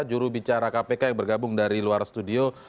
juru bicara kpk yang bergabung dari luar studio